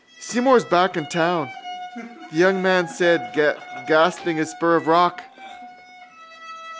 —Seymour's back in town, the young man said, grasping again his spur of rock.